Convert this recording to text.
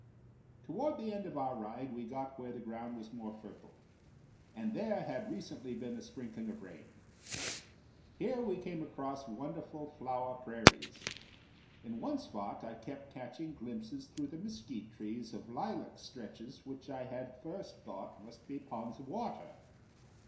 Toward the end of our ride we got where the ground was more fertile, and there had recently been a sprinkling of rain. Here we came across wonderful flower prairies. In one spot I kept catching glimpses through the mesquite trees of lilac stretches which I had first thought must be ponds of water.